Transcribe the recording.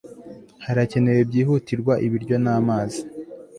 harakenewe byihutirwa ibiryo n'amazi